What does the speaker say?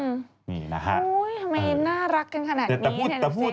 ทำไมน่ารักกันขนาดนี้